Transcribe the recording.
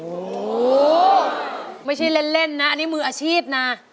โอ้โหไม่ใช่เล่นนะอันนี้มืออาชีพนะ